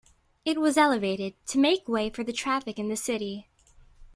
It was elevated, to make way for the traffic in the city.